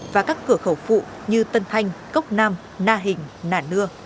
và các cửa khẩu phụ như tân thanh cốc nam na hình nản lưa